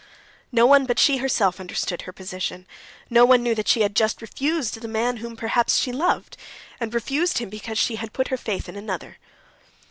No one but she herself understood her position; no one knew that she had just refused the man whom perhaps she loved, and refused him because she had put her faith in another.